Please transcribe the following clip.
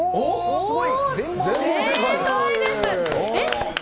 すごい。